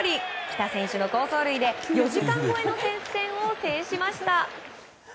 来田選手の好走塁で４時間超えの接戦を制しました。